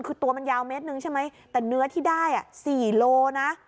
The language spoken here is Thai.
คือตัวมันยาวเมตรหนึ่งใช่ไหมแต่เนื้อที่ได้๔โลนะ